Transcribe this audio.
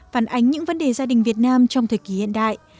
phản ánh những vấn đề gia đình việt nam trong thời kỳ hiện đại